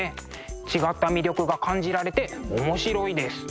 違った魅力が感じられて面白いです。